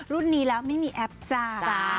รุ่นนี้แล้วไม่มีแอปจ้า